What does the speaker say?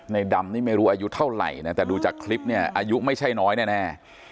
ดำนี่ไม่รู้อายุเท่าไหร่นะแต่ดูจากคลิปเนี่ยอายุไม่ใช่น้อยแน่